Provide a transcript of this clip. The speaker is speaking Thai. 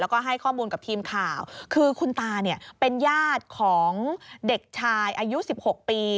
แล้วก็ให้ข้อมูลกับทีมข่าวคือคุณตาเนี่ยเป็นญาติของเด็กชายอายุ๑๖ปี